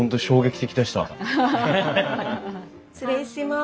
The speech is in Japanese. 失礼します。